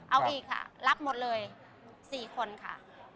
เอาอีกค่ะรับหมดเลย๔คนค่ะ